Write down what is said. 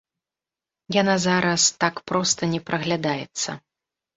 Яна зараз так проста не праглядаецца.